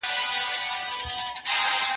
ته ولي زده کړه کوې